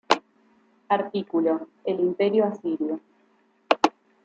Artículo:El Imperio Asirio.